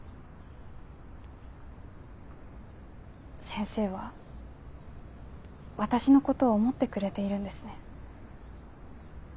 先生は私のことを思ってくれているんですね。